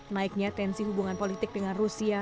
naiknya tensi hubungan politik dengan rusia